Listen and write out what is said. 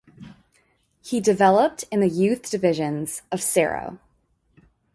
He developed in the youth divisions of Cerro.